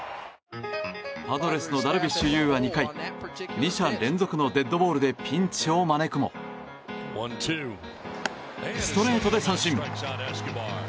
パドレスのダルビッシュ有は２回２者連続のデッドボールでピンチを招くもストレートで三振。